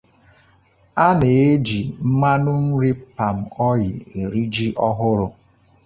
A na-eji mmanụ nri 'Palm oil' eri Ji ọhụrụ.